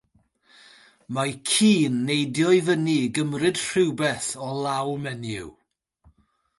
Mae ci'n neidio i fyny i gymryd rhywbeth o law menyw.